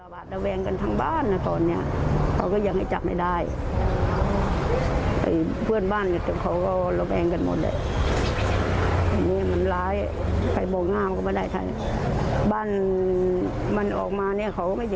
มันร้ายมากอันนี้